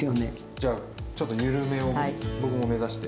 じゃちょっと緩めを僕も目指して。